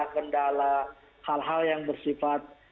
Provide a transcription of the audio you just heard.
kendala hal hal yang bersifat